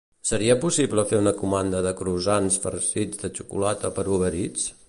Seria possible fer una comanda de croissants farcits de xocolata per Uber Eats?